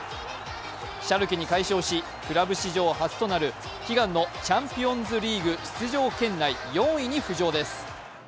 シャルケに快勝しクラブ史上初となる悲願のチャンピオンズリーグ出場圏内４位に浮上です。